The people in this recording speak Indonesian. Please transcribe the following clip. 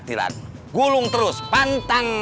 tunggu apa ini